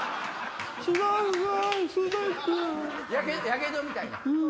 やけどみたいな？